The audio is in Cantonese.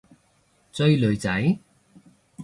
追女仔？